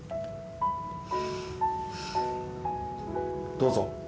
・どうぞ。